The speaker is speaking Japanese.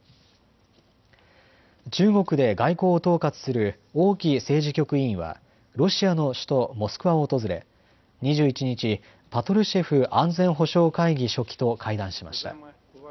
中国で外交を統括する王毅政治局委員はロシアの首都モスクワを訪れ２１日、パトルシェフ安全保障会議書記と会談しました。